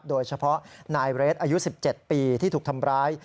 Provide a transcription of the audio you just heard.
โดยเฉพาะนายเรทอายุ๑๗ปีที่ถูกทำร้าย